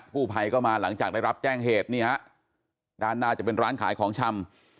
กู้ภัยก็มาหลังจากได้รับแจ้งเหตุนี่ฮะด้านหน้าจะเป็นร้านขายของชำ